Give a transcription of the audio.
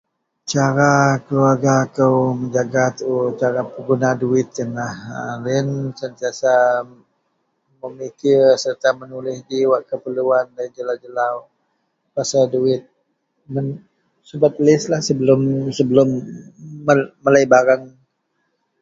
cara keluarga kou menjaga tuu cara peguna duwit ienlah loyien memikir serta menulih ji keperluan jelau-lau pasal duwit, mu subet listlah sebelum sebelum melei barang